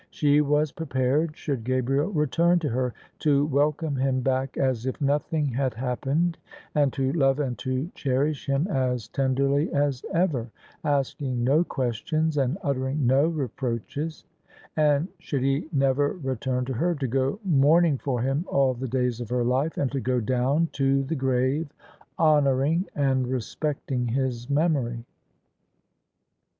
She was prepared, should Gabriel return to her, to welcome him back as if nothing had happened and to love and to cherish him as tenderly as ever, asking no questions and uttering no reproaches : and, should he never return to her, to go mourn ing for him all the days of her life, and to go down to the grave honouring and respecting his memory.